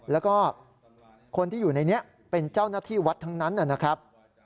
แล้วก็คนที่อยู่ในนี้เป็นเจ้าหน้าที่วัดทั้งนั้นนะครับ